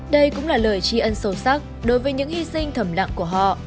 đây cũng là lời tri ân sâu sắc đối với những hy sinh thầm lặng của họ